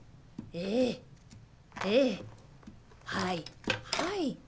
ええはいはい。